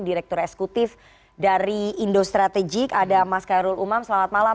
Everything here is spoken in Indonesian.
direktur eksekutif dari indo strategik ada mas kairul umam selamat malam